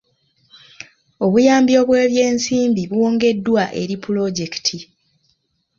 Obuyambi obw'ebyensimbi bwongeddwa eri pulojekiti.